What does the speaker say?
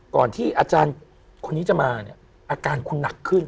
ก่อนที่อาจารย์คนนี้จะมาเนี่ยอาการคุณหนักขึ้น